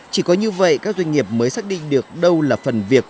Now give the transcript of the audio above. chỉ có như vậy các doanh nghiệp mới xác định được đâu là phần việc